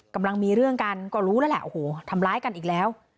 กำลังมีเรื่องกันก็รู้แล้วแหละโอ้โหทำร้ายกันอีกแล้ว